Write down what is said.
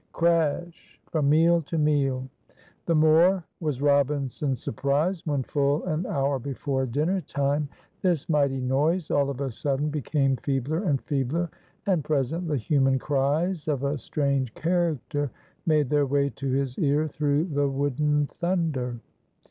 Crash! from meal to meal! The more was Robinson surprised when, full an hour before dinner time, this mighty noise all of a sudden became feebler and feebler, and presently human cries of a strange character made their way to his ear through the wooden thunder.